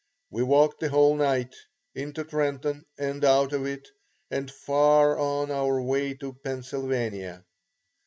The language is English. We walked the whole night, into Trenton and out of it, and far on our way to Pennsylvania.